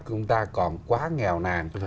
chúng ta còn quá nghèo nàn